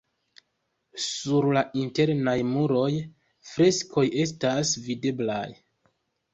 Sur la internaj muroj freskoj estas videblaj.